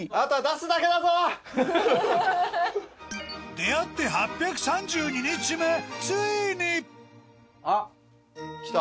出会って８３２日目ついに！来た！